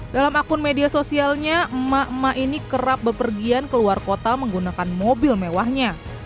dalam akun media sosialnya emak emak ini kerap bepergian keluar kota menggunakan mobil mewahnya